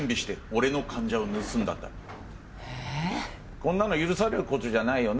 こんなの許される事じゃないよな